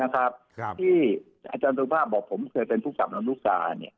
ค่ะนะครับครับที่อาจารย์สั่งภาคบอกผมเคยเป็นผู้กำลังลูกการเนี่ย